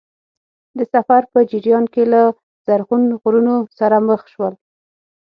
د سفر په جریان کې له زرغون غرونو سره مخ شول.